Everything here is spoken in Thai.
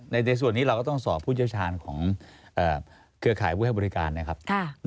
ในส่วนนี้เราก็ต้องสอบผู้เชี่ยวชาญของเครือข่ายผู้ให้บริการนะครับ